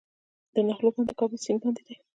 د نغلو بند د کابل سیند باندې دی